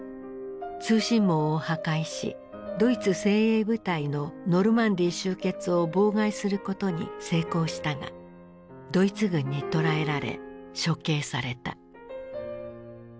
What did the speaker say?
通信網を破壊しドイツ精鋭部隊のノルマンディー集結を妨害することに成功したがドイツ軍に捕らえられ処刑された。